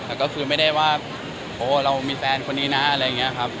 แต่ก็คือไม่ได้ว่าโอ้เรามีแฟนคนนี้นะอะไรอย่างนี้ครับ